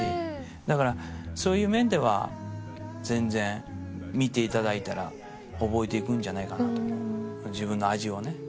だからそういう面では全然見ていただいたら覚えていくんじゃないかなと思う自分の味をね。